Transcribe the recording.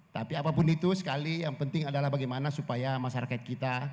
tapi apapun itu sekali yang penting adalah bagaimana supaya masyarakat kita